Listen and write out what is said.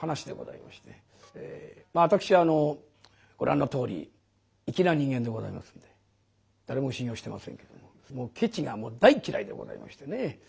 私ご覧のとおり粋な人間でございますんで誰も信用してませんけどもケチがもう大っ嫌いでございましてね。